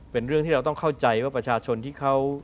เป็นเรื่องที่เราต้องเข้าใจว่าประชาชนที่เขา